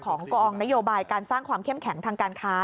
ของกองนโยบายการสร้างความเข้มแข็งทางการค้า